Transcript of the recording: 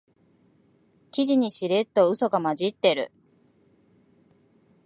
記事にしれっとウソが混じってる